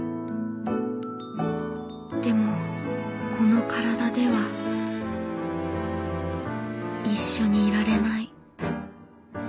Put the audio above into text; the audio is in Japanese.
でもこの体では一緒にいられない。